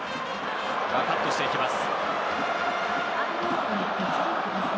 カットしていきます。